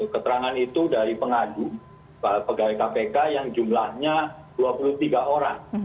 keterangan itu dari pengadu pegawai kpk yang jumlahnya dua puluh tiga orang